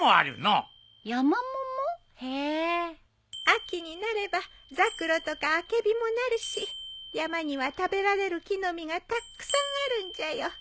秋になればザクロとかアケビもなるし山には食べられる木の実がたっくさんあるんじゃよ。